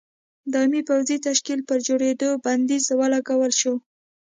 دایمي پوځي تشکیل پر جوړېدو بندیز ولګول شو.